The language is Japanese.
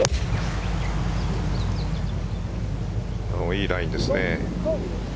いいラインですね。